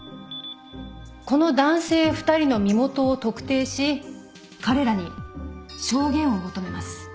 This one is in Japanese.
この男性２人の身元を特定し彼らに証言を求めます。